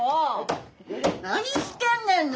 何してんねんよ